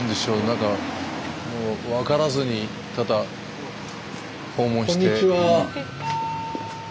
もう分からずにただ訪問して。